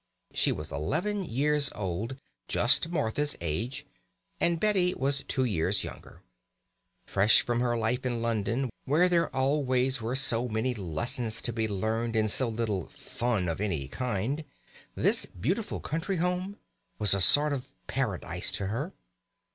She was eleven years old, just Martha's age, and Betty was two years younger. Fresh from her life in London, where there always were so many lessons to be learned and so little "fun" of any kind, this beautiful country home was a sort of paradise to her.